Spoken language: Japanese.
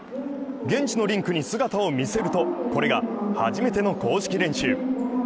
現地のリンクに姿を見せると、これが、初めての公式練習。